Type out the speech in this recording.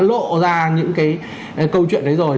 lộ ra những cái câu chuyện đấy rồi